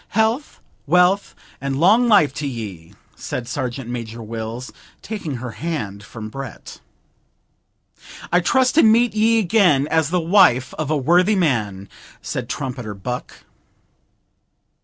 Health, wealth, and long life to ye!' said Sergeant major Wills, taking her hand from Brett. 'I trust to meet ye again as the wife of a worthy man,' said Trumpeter Buck.